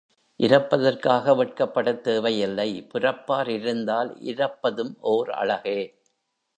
இரப்பதற்காக வெட்கப்படத் தேவை இல்லை புரப்பார் இருந்தால் இரப்பதும் ஓர் அழகே.